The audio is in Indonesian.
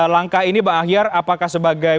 langkah ini pak ahyar apakah sebagai